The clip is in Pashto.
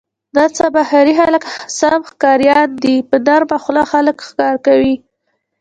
نن سبا ښاري خلک سم ښکاریان دي. په نرمه خوله خلک ښکار کوي.